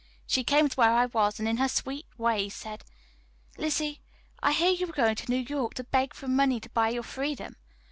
She came to where I was, and in her sweet way said: "Lizzie, I hear that you are going to New York to beg for money to buy your freedom.